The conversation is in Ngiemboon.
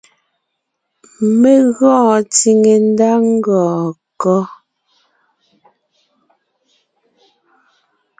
Mé gɔɔn tsìŋe ndá ngɔɔn kɔ́?